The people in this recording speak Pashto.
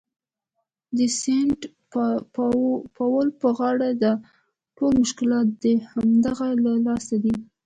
د سینټ پاول په غاړه ده، ټول مشکلات د همدغه له لاسه دي.